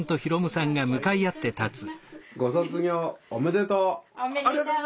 ご卒業おめでとう！